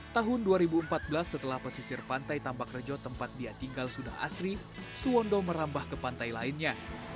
tahun dua ribu empat belas setelah pesisir pantai tambak rejo tempat dia tinggal sudah asri suwondo merambah ke pantai lainnya